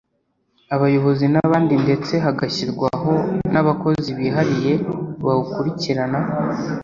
abayobozi n’abandi ndetse hagashyirwaho n’abakozi bihariye bawukurikirana.”